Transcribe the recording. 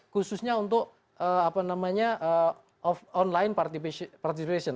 khususnya untuk online participation